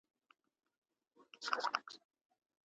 بزګر سهار وختي له خوبه راپاڅي